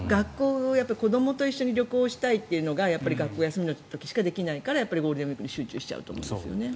子どもと一緒に旅行したいというのが学校、休みの時しかできないからゴールデンウィークに集中しちゃうと思うんですよね。